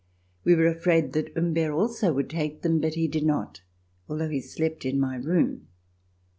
We were afraid that Humbert also would take them, but he did not, although he slept in my room.